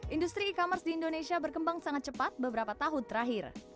industri e commerce di indonesia berkembang sangat cepat beberapa tahun terakhir